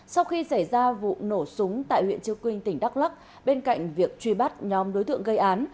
sau khi xảy ra vụ nổ súng tại huyện chư quynh tỉnh đắk lắc bên cạnh việc truy bắt nhóm đối tượng gây án